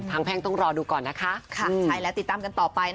ทางแภ่งต้องรอดูก่อนนะคะ